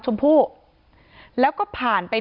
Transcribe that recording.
ที่มีข่าวเรื่องน้องหายตัว